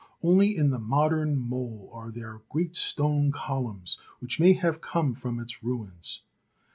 Only in the modern mole are there great stone columns which may have come from its ruins.